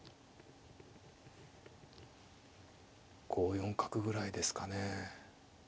５四角ぐらいですかね。